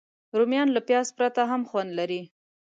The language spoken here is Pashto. رومیان له پیاز پرته هم خوند لري